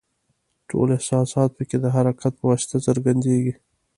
ټول احساسات پکې د حرکت په واسطه څرګندیږي.